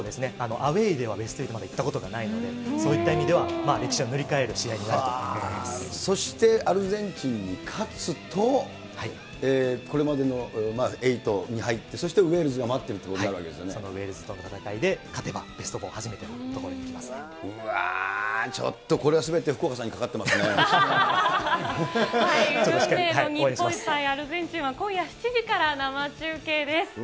アウエーではまだベスト８、まだ行ったことがないので、そういった意味では、歴史を塗りそしてアルゼンチンに勝つと、これまでの８に入って、そしてウェールズがまってるということにそのウェールズとの戦いで勝てばベスト４、うわー、ちょっとこれはすべ運命の日本対アルゼンチンは今夜７時から生中継です。